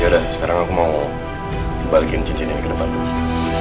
yaudah sekarang aku mau balikin cincin ini ke depan dulu